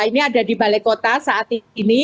ini ada di balai kota saat ini